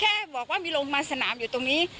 เกิดว่าจะต้องมาตั้งโรงพยาบาลสนามตรงนี้